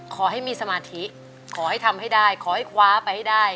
ขอให้มีสมาธิขอให้ทำให้ได้ขอให้คว้าไปให้ได้